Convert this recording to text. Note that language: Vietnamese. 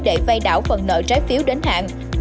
để vay đảo phần nợ trái phiếu đến tổ chức tín dụng